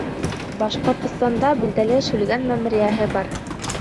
Башҡортостанда билдәле Шүлгән мәмерйәһе бар